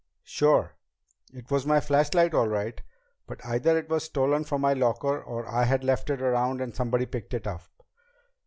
"Sure. It was my flashlight all right. But either it was stolen from my locker, or I had left it around and somebody picked it up.